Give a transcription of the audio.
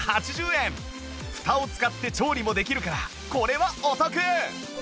フタを使って調理もできるからこれはお得